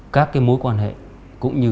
các mối quan hệ cũng như